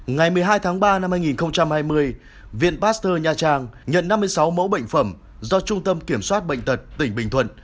ngày một mươi hai tháng ba năm hai nghìn hai mươi viện pasteur nha trang nhận năm mươi sáu mẫu bệnh phẩm do trung tâm kiểm soát bệnh tật tỉnh bình thuận